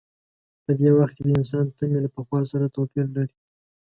په دې وخت کې د انسان تمې له پخوا سره توپیر لري.